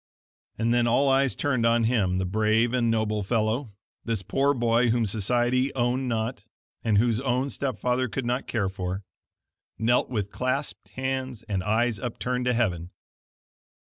And then all eyes turned on him, the brave and noble fellow this poor boy whom society owned not, and whose own step father could not care for knelt with clasped hands and eyes upturned to heaven.